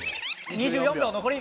２４秒残り！